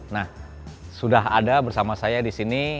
nah sudah ada bersama saya di sini